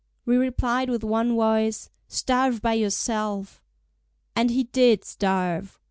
We replied with one voice: "Starve by yourself!" And he did starve!